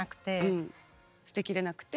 うん捨てきれなくて。